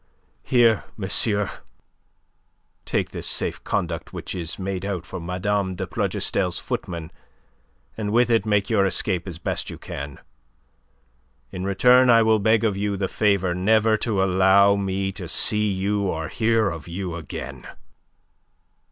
Here, monsieur, take this safe conduct which is made out for Mme. de Plougastel's footman, and with it make your escape as best you can. In return I will beg of you the favour never to allow me to see you or hear of you again."